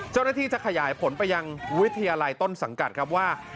เจ้าหน้าที่จะขยายผลไปยังวิทยาลัยต้นสังกัดครับว่า